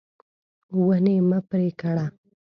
ونې مه پرې کړه.